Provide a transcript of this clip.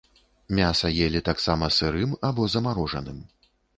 Мяса елі таксама сырым або замарожаным.